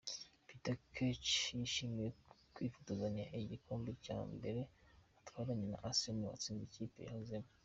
Petr Cech yishimiye kwifotozanya igikombe cya mbere atwaranye na Arsenal, batsinze ikipe yahozemo.